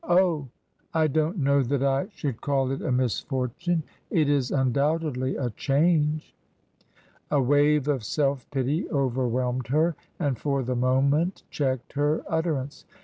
Oh ! I don't know that I should call it a misfortune. It is undoubtedly a change." A wave of self pity overwhelmed her and for the mo ment checked her utterance.